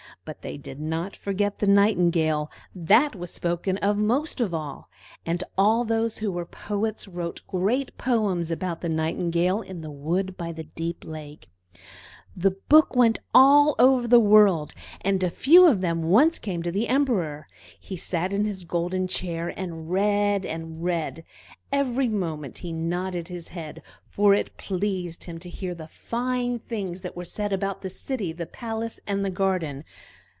But they did not forget the Nightingale; that was spoken of most of all; and all those who were poets wrote great poems about the Nightingale in the wood by the deep lake. The books went all over the world, and a few of them once came to the Emperor. He sat in his golden chair, and read, and read; every moment he nodded his head, for it pleased him to hear the fine things that were said about the city, the palace, and the garden.